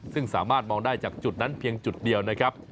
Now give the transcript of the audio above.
ซึ่งสามารถมองได้จากจุดนั้นเพียงจุดเดียวนะครับ